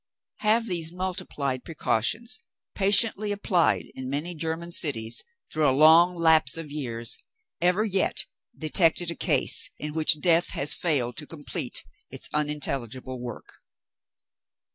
Have these multiplied precautions, patiently applied in many German cities, through a long lapse of years, ever yet detected a case in which Death has failed to complete its unintelligible work?